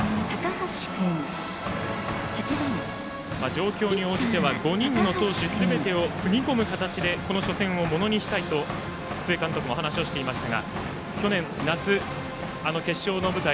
状況に応じては５人の投手すべてをつぎ込む形で初戦をものにしたいと須江監督は話していましたが去年夏、あの決勝の舞台